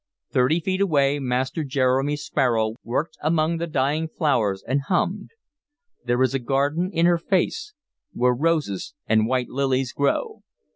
Thirty feet away Master Jeremy Sparrow worked among the dying flowers, and hummed: "There is a garden in her face, Where roses and white lilies grow."